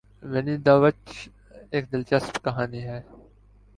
ونی داوچ ایک دلچسپ کہانی ہے۔